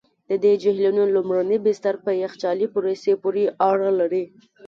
د دې جهیلونو لومړني بستر په یخچالي پروسې پوري اړه لري.